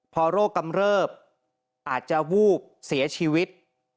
พอโรคกำเริบอาจจะวูบเสียชีวิต